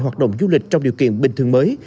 hoạt động du lịch trong điều kiện bình thường mới